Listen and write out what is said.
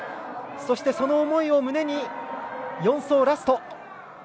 そして、その思いを胸に４走、ラスト。